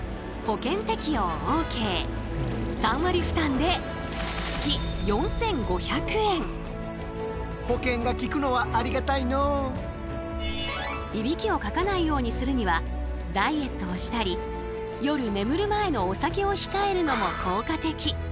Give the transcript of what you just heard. ３割負担でいびきをかかないようにするにはダイエットをしたり夜眠る前のお酒を控えるのも効果的。